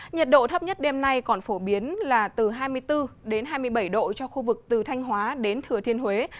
nhiệt độ thấp nhất đêm nay còn phổ biến là từ hai mươi bốn đến hai mươi bảy độ cho khu vực từ thanh hóa đến thừa thiên huế